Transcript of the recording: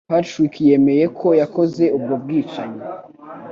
Patrick yemeye ko yakoze ubwo bwicanyi.